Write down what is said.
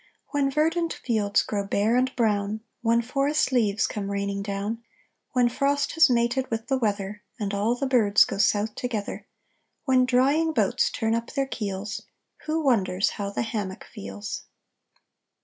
When verdant fields grow bare and brown, When forest leaves come raining down, When frost has mated with the weather And all the birds go south together, When drying boats turn up their keels, Who wonders how the hammock feels?